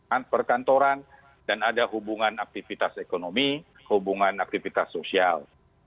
ada perkantoran dan ada hubungan aktivitas ekonomi hubungan aktivitas sosial